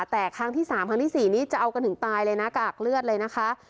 แต่ครั้งที่๓ครั้งที่๔นี้จะเอากันถึงตายเลยนะกากเลือดเลยนะคะ